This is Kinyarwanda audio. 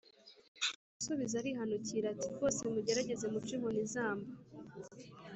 mu gusubiza arihanukira ati: ”rwose mugerageze muce inkoni izamba,